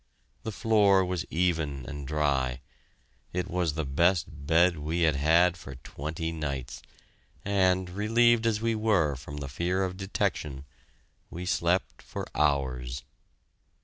The floor was even and dry; it was the best bed we had had for twenty nights, and, relieved as we were from the fear of detection, we slept for hours.